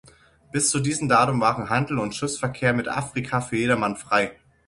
Bis zu diesem Datum waren Handel und Schiffsverkehr mit Afrika für jedermann frei.